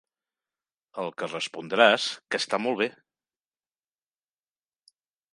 Al que respondràs que està molt bé.